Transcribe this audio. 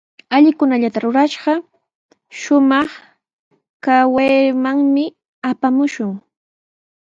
Allikunallata rurashqa, shumaq kawaymanmi apamaashun.